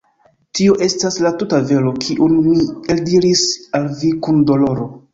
Tio estas la tuta vero, kiun mi eldiris al vi kun doloro.